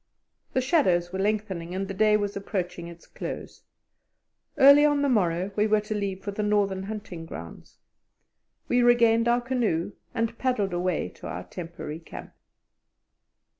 The shadows were lengthening and the day was approaching its close. Early on the morrow we were to leave for the northern hunting grounds. We regained our canoe, and paddled away to our temporary camp.